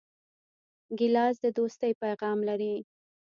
ګیلاس د دوستۍ پیغام لري.